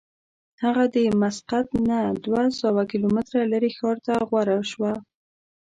هغه د مسقط نه دوه سوه کیلومتره لرې ښار ته غوره شوه.